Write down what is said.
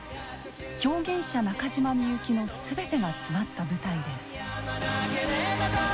表現者中島みゆきの全てが詰まった舞台です。